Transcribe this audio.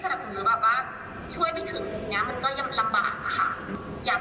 แบบที่แบบว่าโรงทะเบียนเราจะต้องได้มีติดต่อกับมาก